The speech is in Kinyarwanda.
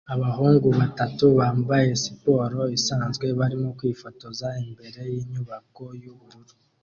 Abahungu batatu bambaye siporo isanzwe barimo kwifotoza imbere yinyubako yubururu